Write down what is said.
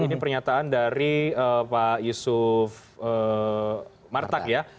ini pernyataan dari pak yusuf martak ya